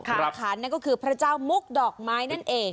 อาคารนั่นก็คือพระเจ้ามุกดอกไม้นั่นเอง